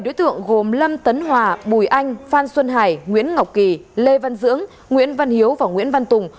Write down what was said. bốn đối tượng gồm lâm tấn hòa bùi anh phan xuân hải nguyễn ngọc kỳ lê văn dưỡng nguyễn văn hiếu và nguyễn văn tùng